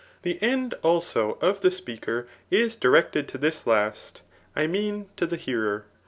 The end, also, £of the speaker] is durected to this last,.! mean to the hearer.